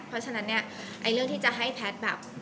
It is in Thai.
เพราะฉะนั้นเนี่ยไอ้เรื่องที่จะให้แพทย์แบบ